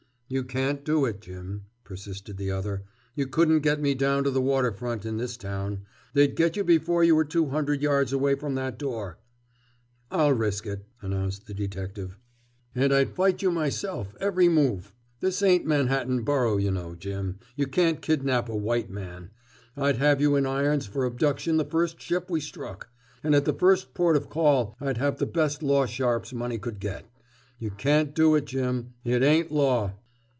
"You can't do it, Jim," persisted the other. "You couldn't get me down to the water front, in this town. They'd get you before you were two hundred yards away from that door." "I'll risk it," announced the detective. "And I'd fight you myself, every move. This ain't Manhattan Borough, you know, Jim; you can't kidnap a white man. I'd have you in irons for abduction the first ship we struck. And at the first port of call I'd have the best law sharps money could get. You can't do it, Jim. It ain't law!"